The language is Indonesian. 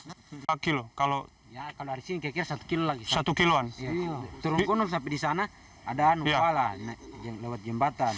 ada anu kuala yang lewat jembatan yang jalan naik lagi